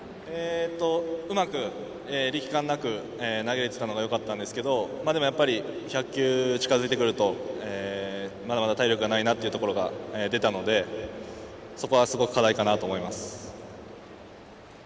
うまく、力感なく投げれていたのがよかったんですけどでも、やっぱり１００球が近づいてくるとまだまだ体力がないなというところが出たのでそこはすごく課題かなと思います。